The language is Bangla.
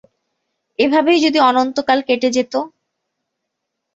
এভাবেই যদি অনন্তকাল কেটে যেত!